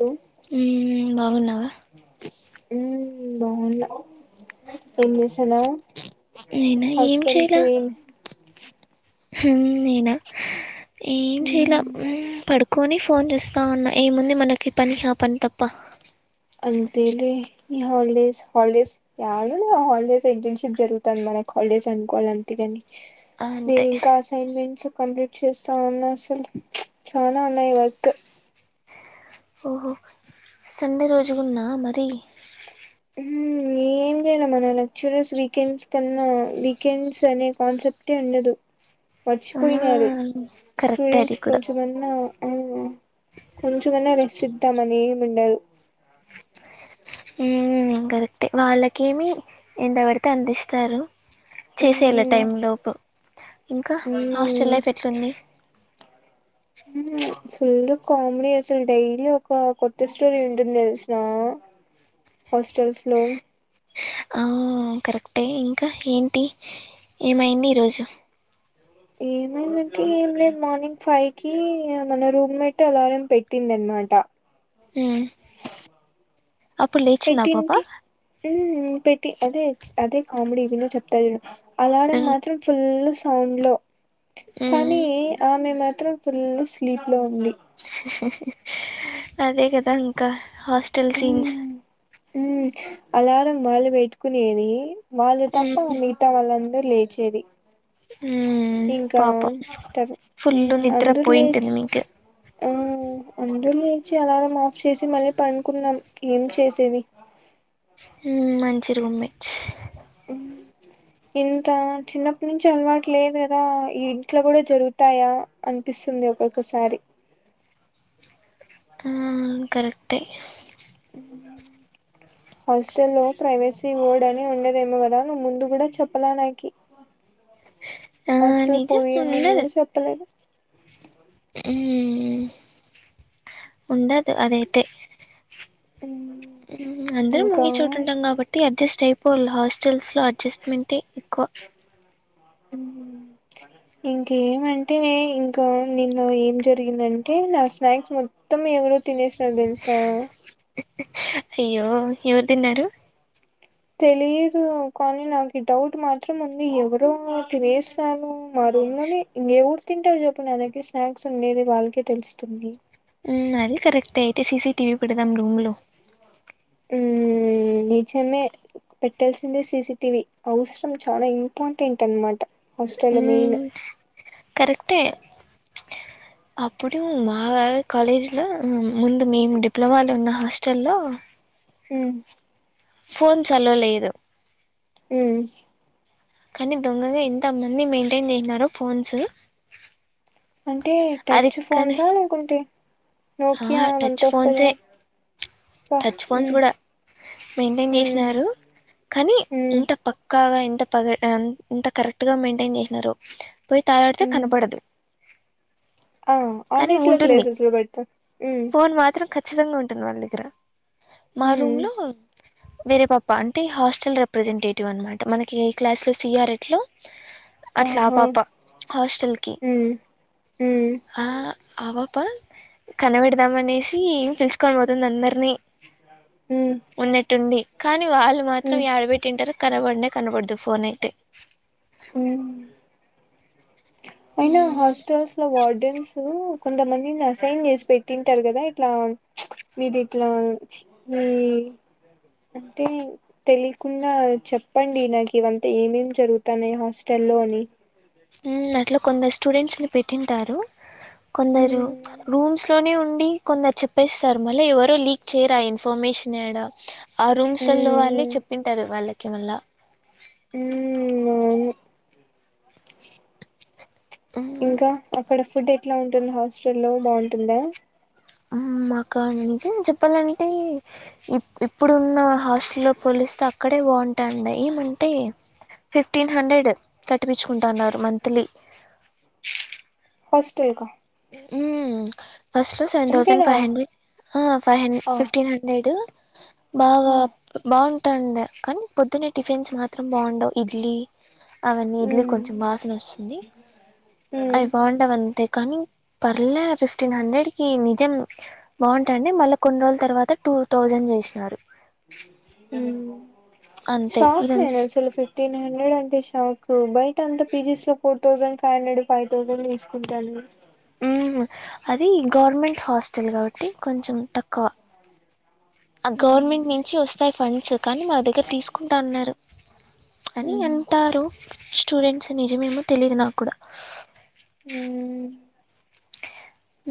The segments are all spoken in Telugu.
హలో బాగున్నావా ఉ బావుంద ఏం చేసార నేనా ఏం చేయలా హ నేనా ఏం చేయలా ఉమ్ ఊ పడుకొని ఫోన్ చూస్తా ఉన్నా ఏముంది మనకి ఈ పని ఆ పని తప్ప అంతేలే ఈ హాలిడేస్ హాలిడేస్ యాడున్నాయిఆ హాలిడేస్ ఇంటర్న్షిప్ జరుగుతుంది మనకి హాలిడేస్ అనుకోవాలి అంతే గాని అంతే నేను ఇంకా అసైన్మెంట్ చె కంప్లీట్ చేస్తా ఉన్నా అసలు చాలా ఉన్నాయి వర్కు ఓహో సండే రోజు ఉన్నా మరి ఊఏం లేదమ్మా మన లెక్చరర్స్ వీకెండ్స్ కన్నా వీకెండ్స్ అనే కాన్సెప్టే ఉండదు ఆ మర్చిపోయినారు కరెక్టే అది స్టూడెంట్స్ కూడా కొంచమన్నా ఆ కొంచమన్నా రెస్ట్ ఇద్దామని ఏమి ఉండదు ఊ కరెక్టే వాళ్ళకేమి ఎంత పడితే అంత ఇస్తారు చేసేయల ఉమ్ టైం లోపు ఇంకా హాస్టల్ లైఫ్ ఎట్లుంది ఫుల్ కామెడీ అసలు డైలీ ఒక కొత్త స్టోరీ ఉంటుంది తెలుసునాహాస్టల్స్ లో ఆ కరెక్టే ఇంకా ఏంటి ఏమైంది ఈరోజు ఏమైందంటే ఏం లేదు మార్నింగ్ ఫైవ్ కి మన రూమ్మేట్ అలారం పెట్టిందిన్నమాట మ్మ్ అప్పుడు లేచిందా పాపా ఉమ్ పెట్టి అదే అదే కామెడీ విను చెప్తా విను అలారం మ్మ్ మాత్రం ఫుల్ సౌండ్లో మ్మ్ కానీ ఆమె మా త్రం ఫుల్ స్లీప్ లో ఉంది అదే కదా ఇంకా హాస్టల్ సీన్స్ ఉ అలారం మళ్ళీ పెట్టుకునేది వాళ్ళు తప్ప మిగతా వాళ్ళందరు లేచేది ఉ ఇంకా పాపం తరు ఫుల్ మ్మ్ నిద్ర అందరు లేచి పోయింటుంది మీకే ఆ అందరు లేచి అలారం ఆఫ్ చేసి మళ్ళీ పడుకున్నాం ఏం చేసేది మంచి రూమ్మేట్ ఇంత చిన్నప్పటి నుంచి అలవాటు లేదు కదా ఈ ఇంట్లో కూడా జరుగుతాయా అనిపిస్తుంది ఒకొక్కసారి ఆ కరెక్టే హాస్టల్లో ప్రైవేసీ బోర్డు అని ఉండేదేమో గదా నువ్వు ముందు కూడా చెప్పాల నాకి ఆ, హాస్టల్ నిజం పోయే ముందు ఉండదు గూడా చెప్పలేదు ఊ ఉండదు అదైతే మ్మ్ అందరం ఇంకా ఒగే చోటు ఉంటాం కాబట్టి అడ్జస్ట్ అయిపో పుల్హస్ హాస్టల్స్లో అడ్జస్ట్మెంటే ఎక్కువ ఊ ఇంకేమంటే ఇంకా నిన్న ఏం జరిగిందంటే నా స్నాక్స్ మొత్తం ఎవరో తినేసారు దెల్సా అయ్యో ఎవరుదిన్నారు తెలిదు కానీ నాకు డౌట్ మాత్రం ఉంది ఎవరో తినేస్నాను ను మా రూమ్ లోని ఇంక ఎవరు తింటారు చెప్పు నా దగ్గర స్నాక్స్ ఉండేది వాళ్ళకే తెలుస్తుంది అది కరెక్ట్ అయితే సీసీటీవీ పెడదాం రూమ్ లో ఉ నిజమే పెట్టాల్సిందే సీసిటివి అవసరం చానా ఇంపార్టెంట్ అనమాట ఉ హాస్టల్లో మెయిన్ కరెక్టే అప్పుడు మా కాలేజ్లో ముందు మేము డిప్లొమాలో ఉన్న హాస్టల్లో ఉ ఫోన్స్ అలో లేదు ఉ కానీ దొంగగా ఎంత మంది మెయింటైన్ చేసినారు ఫోన్స్ అంటే అది టచ్ కానీ ఫోన్సా లేకుంటే నోకయా అవి అంత టచ్ వస్తాయి ఫోన్సే కదా అబ్బా టచ్ ఫోన్స్ మ్మ్ గడా మెంటైన్ మ్మ్ చేసినారు కానీ మ్మ్ ఇంత పక్కాగా ఇంత పగడ్ ఇంత కరెక్ట్ గా మెయింటైన్ చేసినారు పోయి తారడితే హ్మ్ కనపడదు ఆ ఆది కానీ ఎట్ల ఉంటుంది ప్లేసెస్ లో పెడతా ఫోన్ మాత్రం ఖచ్చితంగా ఉంటుంది వాళ్ళ దగ్గర మ హ్మ్ రూమ్ లో వేరే పాప అంటే హాస్టల్ రిప్రజెంటేటివ్ అనమాట మనకి ఏ క్లాస్ లో సిఆర్ఎట్ లో అట్లా ఆహా పాప హాస్టల్ కి హ్మ్ హ్మ్ ఆ అపాప కనబెడదామ అనేసి ఏమి పిలుసుకొని పోతుంది అందరినీ హ్మ్ ఉన్నట్టుండి కానీ వాళ్ళు మాత్రం హ్మ్ ఏడబెట్టింటారు కనబడనే కనబడదు ఫోన్ అయితే ఊ అయినా హాస్టల్స్ లో వార్డెన్స్ కొంతమందిని అసైన్ చేసి పెట్టింటారు కదా ఇట్లా మీది ఇట్లా మీ అంటే తెలియకుండా చెప్పండి నాకు ఇవంతా ఏమేమి జరుగుతాన్నాయి హాస్టల్లో అని అట్లా కొందరు స్టూడెంట్స్ ని పెట్టింటారు కొందరు హ్మ్ రూమ్స్ లోనే ఉండి కొందరు చెప్పేస్తారు మళ్ళీ ఎవరో లీక్ చేయరు ఆ ఇన్ఫర్మేషన్ ఎడ ఆ రూమ్స్ల లో హ్మ్ వాళ్ళి హ్మ్. చెప్పింటారు వాళ్ళకి మళ అవును మ్మ్ ఇంకా అక్కడ ఫుడ్ ఎట్లా ఉంటుంది హాస్టల్ బాగుంటుందా మాకా నిజం చెప్పాలంటే ఇప్పుడున్న హాస్టల్లో పోలిస్తే అక్కడే బాగుంటాం ఏమంటే ఫిఫ్టీన్ హండ్రెడ్ కట్టిపించుకుంటున్నారు మంతంత్లీ హస్టల్ క ఉ ఫస్ట్ లో సెవెన్ థౌజండ్ అంతేనా ఫైవ్ హండ్రెడ్ ఫైవ్ హ ఆ ఫిఫ్టీన్ హండ్రెడ్ బాగా ఆ బాగుం ట్టం కానీ పొద్దున్న టిఫిన్స్ మాత్రం బాగుండవు ఇడ్లీ అవన్నీ ఇడ్లీ ఉమ్ కొంచెం వసన వస్తుంది ఉమ్ అవి బాగుందవ్ అంతే కానీ పర్లే ఫిఫ్టీన్ హండ్రెడ్ కి నిజం బాగుంటాండి మళ్ళా కొన్ని రోజుల తర్వాత టూ థౌజండ్ చేసినారు మ్మ్ అంతే షాక్ ఇదం నేను అసలు ఫిఫ్టీన్ హండ్రెడ్ అంటే నాకు బయట అంత పీజీస్ లో four thousand five hundred five thousand తీసుకుంటాను మ్మ్ అది గవర్నమెంట్ హాస్టల్ కాబట్టి కొంచెం తక్కువ ఆ గవర్నమెంట్ నుంచి వస్తాయి ఫండ్స్ కానీ మా దగ్గర తీసుకుంటా అన్నారు అని ఉమ్ అంటారు స్టూడెంట్స్ నిజాం ఏమో తెలీదు నా కూడా మ్మ్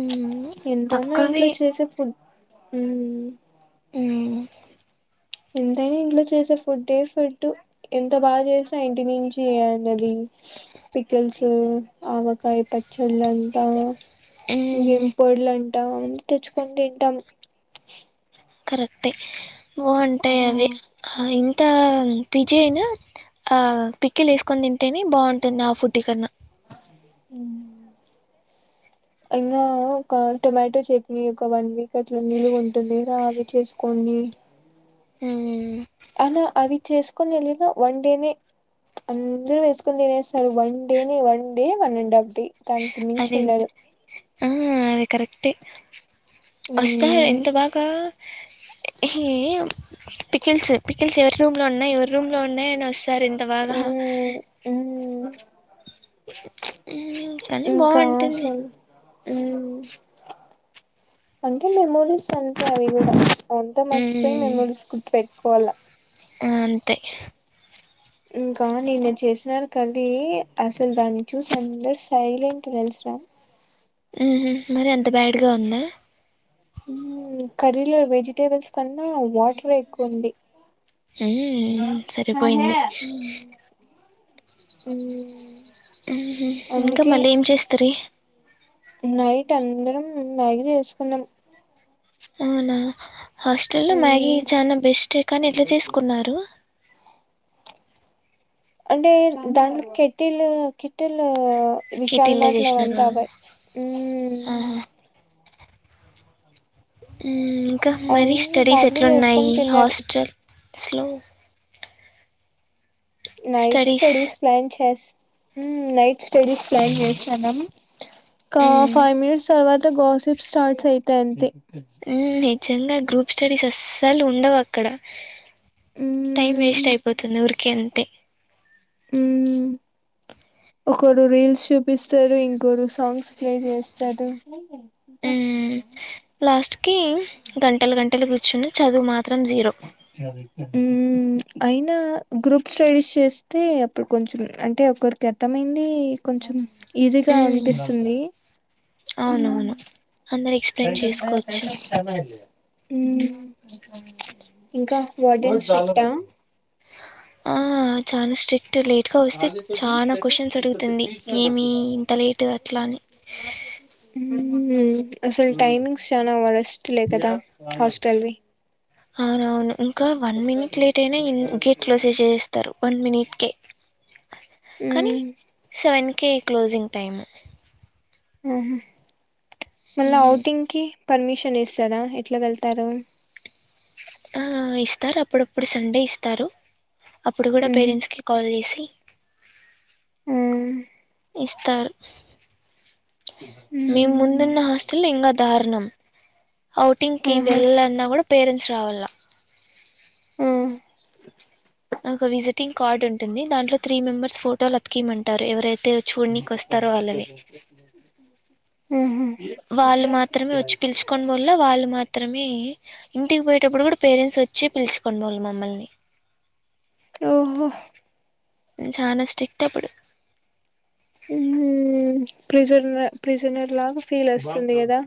మ్మ్ ఎంటన్నా తక్కువే ఇంట్లో చేసే ఫుడ్ మ్మ్ మ్మ్ ఎంతైనా ఇంట్లో చేసే ఫుడ్ ఏ ఫుడ్ ఎంత బాగా చేసినా ఇంటి నుంచిన్నది ఏంది ఆది పికిల్స్ ఆవ కాయ పచ్చడిలు అంటా ఇంకేం మ్మ్ పొడులు అంట అ తెచ్చుకొని తింటాం కరక్టి బగుంటాయి ఆ అవి ఇం అంత పిజ్జి అయినా ఆ పికిలు వేసుకొని తింటేనే బాగుంటుంది ఆ ఫుడ్ కన్నా ఇకా ఒక టొమాటో చట్నీ ఒక వన్ వీక్ అట్లా నిలువ ఉంటుంది కదా అవి చేసుకోని మ్మ్ అనా అవి చేసుకొని వెళ్ళినా వన్ డేనే అందరూ వేసుకొని తినేస్తారు వన్ డేనే one day one and half day దానికి మించి అదే ఉండదు అదే కరెక్ట్ టి వస్తారు మ్మ్ ఎంత బాగా హెమ్ ఏం పికిల్స్ పికిల్స్ ఎవరూ లో ఉన్నాయి ఎవరి రూమ్ లో ఉన్నాయ అని వస్తారు ఇంత బాగా మ్మ్ మ్మ్ ప ఉమ్ చలి బాగుంటుంది ఉమ్ అంటే మెమోరీస్ అంటే అవి కూడా అంత మర్చిపోయి మ్మ్ మెమోరీస్ గుర్ పె కోలా ఆ అంతే ఇంకా నిన్న చేసినారు కర్రీ అసలు దాన్ని చూసి అందరు సైలెంట్ తెలుసురా ఉహు మరి అంత బ్యాడ్గా ఉందా కర్రీలో వెజిటేబుల్స్ కన్నా వాటర్ ఎక్కువుంది హమ్ సరిపోయింది మ్మ్ ఇంకా అందుకే మళ్ళీ ఏం చేస్తారు నైట్ అందరం మ్యాగి చేసుకున్నాం అవునా హాస్టల్ల్లో మ్యాగీ మ్మ్ చానా బెస్ట్ ఎ కానీ ఎట్లా చేసుకున్నారు అంటే దాని కెటిల్ కెటిల్ విశాల్ కిటిల్లో మట్ లో వంద చేసినారా యాభై ఉమ్ ఆహా. మ్మ్, ఇంకా మరి అవి స్టడీస్ దాంట్లో చేసుకొని ఎట్లున్నాయి తిన్నారు హాస్టల్ స్లో నైట్ స్టడీస్ ప్లాన్ చేసి నైట్ స్టడీస్ ప్లాన్ చేస్తానం కా మ్మ్. ఫైవ్ మినిట్స్ తర్వాత గసిప్ స్టార్ట్స్ అయితే అంత నిజంగా గ్రూప్ స్టడీస్ అస్సలు ఉండవు అక్కడ టైమ్ మ్మ్ వేస్ట్ అయిపోతుందివర్కి గంతే ఉమ్ ఒకరు రీల్స్ చూపిస్తారు ఇంకొరు సాంగ్స్ ప్లే చేస్తారు మ్మ్ లాస్ట్ కి గంటలు గంటలు కూర్చుని చదువు మా ఉమ్ అయినా గ్రూప్ స్టడీస్ చేస్తే అప్పుడు కొంచెం అంటే ఒకరికి అర్థమైంది కొంచెం ఈజీగా మ్మ్ అనిపిస్తుంది మ్మ్ అవునవును అందరు ఎక్స్ప్లెయిన్ చేసుకోవచ్చు ఇంకా వాడేన్ స్ట్రీట్ ఆ ఆ చానా స్ట్రీట్ ట్ లేట్గా వస్తే చాలా క్వశ్చన్స్ అడుగుతుంది. ఏమి ఇంత లేట్ అట్లా అని అసలు టైమింగ్స్ చాలా వరస్ట్లే కదా హాస్టల్వి అవునవును ఇంకా వన్ మినిట్ లేట్ అయిన గేట్ క్లోజ చేస్తారు వన్ మనిట్కి కానీ మ్మ్ సెవెన్ ఓకే క్లోజింగ్ టైమ్ ఆ మళ్ళ ఔటింగ్కి పర్మిషన్ ఇస్తారా ఎట్లా వెళ్తారు ఆ ఇస్తారు అప్పుడప్పుడు సండే ఇస్తారు అప్పుడు కూడా మ్మ్ పేరెంట్స్ కి కాల్ చేసి ఆ ఇస్తస్తర్ మేము మ్మ్ ముందున్న హాస్టల్ ఇంకా దారుణం ఔటింగ్ కి ఆహా వెళ్ళన్నా కూడా పేరెంట్స్ రావాల ఆ ఒక విజిటింగ్ కార్డ్ ఉంటుంది దాంట్లో త్రీ మెంబర్స్ ఫోటోలు అతకీమంటారు ఎవరైతే చూడనీకి వస్తారో వాళ్ళవి కత్తత్త [inaudible] వాళ్ళు మాత్రమే వచ్చి పిల్చుకోడం వల్ల వాళ్ళు మాత్ర అత్రమి ఇంటికి పోయేటప్పుడు కూడా పేరెంట్స్ వచ్చి పిలుచుకుని వాళ్ళు మమ్మల్ని ఓహో చాలా స్ట్రిక్ట్ప్పుడు ప్రిజ ప్రిజనర్ లాగా ఫీల్ వస్తుంది కదా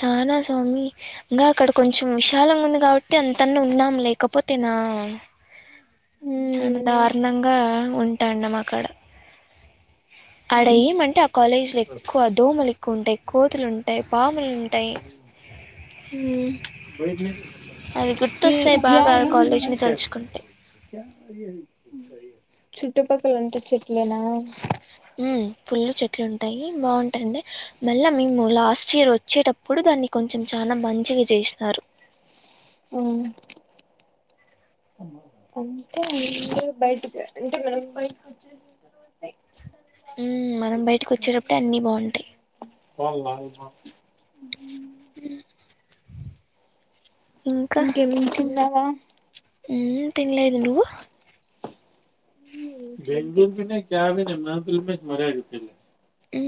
చాలా స్వామి ఇంకా అక్కడ కొంచెం విశాలంగా ఉంది కాబట్టి అంతని ఉన్నాము లేకపోతే నా చాలా మ్మ్ దారుణంగా ఉంటాన్నాము అక్కడ ఆడ ఏమంటే ఆ కాలేజీలో ఎక్కువ దోమలు ఎక్కువ ఉంటాయి. కోతులు ఉంటాయి పాములు ఉంటాయి. మ్మ్ అవి మీ గుర్తొస్తాయి బాగా యాడ్ ఆ కాలేజీ ని తలుచుకుంటే. చుట్టుపక్కల ఉంటే చెట్లేనా పుల్లు చెట్లు ఉంటాయి బాగుంటాయిడి. మళ్ళా మేము లాస్ట్ ఇయర్ వచ్చేటప్పుడు దాన్ని కొంచెం చాలా మంచిగా చేసినారు. ఆ అంటే బయటికి అంటే మనం బయ వచ్చేత ఉ మనం బయటకి వచ్చేటప్పుడు అన్ని బాగుంటాయి అవు అవు అ [inaudible] ఇంకా ఇంకేమి తం తిన్నావా తినలేదు నువ్వు వెెంగూ న కవి మంతలష్ మరదు పలే ఆ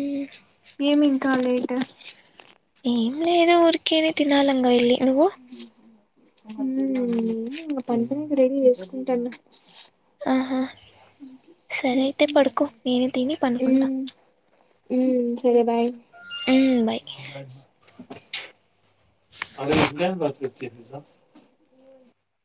ఏమింకా లేట్ ఏం లేదు ఊరికే తినాలంగ ఎల్లి నువ్వు ఊ నేను ఇంగ పని పక రెడీ చేసుకుంటాను ఆహా సరే అయితే పడుకో నేను తిని పనుకుంటా ఉ సరే ఉమ్, బాయ్ [unintelligible]